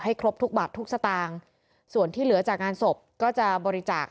ครบทุกบาททุกสตางค์ส่วนที่เหลือจากงานศพก็จะบริจาค